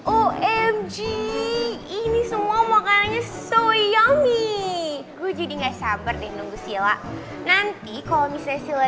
omg ini semua makanannya soyong nih gue jadi nggak sabar deh nunggu sila nanti kalau misalnya sila